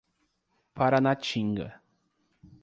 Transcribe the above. Paranatinga